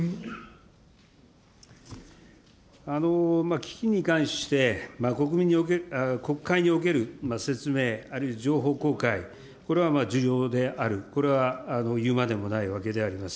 基金に関して、国会における説明、あるいは情報公開、これは重要である、これはいうまでもないわけであります。